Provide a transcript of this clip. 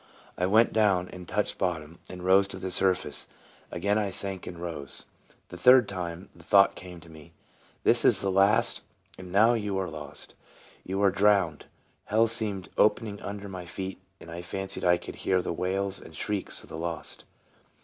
I went down and touched bottom, and rose to the surface. Again I sank and rose. The third time, the thought came to me, " This is the last, and now you are lost you are drowned." Hell seemed opening under my feet, and I fancied I could hear the wails and shrieks of the lost.